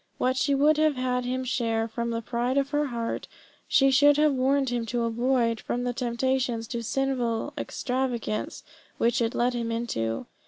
What she would have had him share from the pride of her heart, she should have warned him to avoid from the temptations to sinful extravagance which it led him into.